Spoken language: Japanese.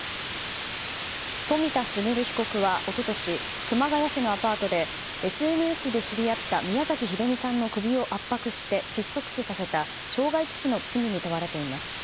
冨田賢被告は一昨年、熊谷市のアパートでＳＮＳで知り合った宮崎英美さんの％を圧迫して窒息死させた傷害致死の罪に問われています。